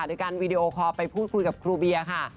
โดยการวีดีโอคอลไปพูดคุยกับครูเบียร์ค่ะ